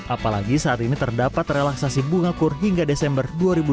apalagi saat ini terdapat relaksasi bunga kur hingga desember dua ribu dua puluh